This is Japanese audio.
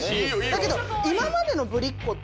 だけど。